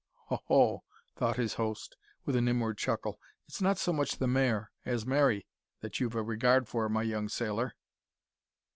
"Ho! ho!" thought his host, with an inward chuckle, "it's not so much the mare as Mary that you've a regard for, my young sailor!"